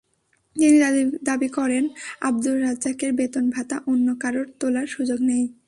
তিনি দাবি করেন, আবদুর রাজ্জাকের বেতন-ভাতা অন্য কারও তোলার সুযোগ নেই।